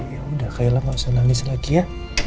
ya udah kaila gak usah nangis lagi ya